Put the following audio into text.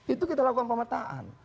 itu kita lakukan pemetaan